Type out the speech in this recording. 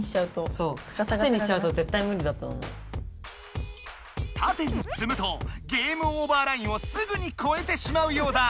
あとたてにつむとゲームオーバーラインをすぐにこえてしまうようだ。